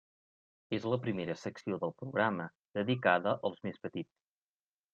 És la primera secció del programa, dedicada als més petits.